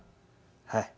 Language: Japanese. はい。